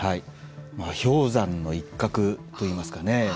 氷山の一角といいますかね。